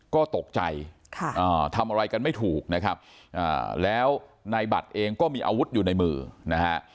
ก็ตกใจทำอะไรกันไม่ถูกนะครับแล้วนายบัตรเองก็มีอาวุธอยู่ในมือนะฮะ